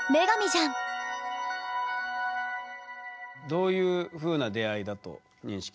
どういうふうな出会いだと認識してますか？